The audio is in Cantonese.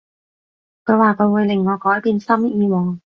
佢話佢會令我改變心意喎